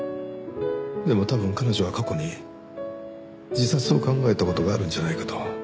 でも多分彼女は過去に自殺を考えた事があるんじゃないかと。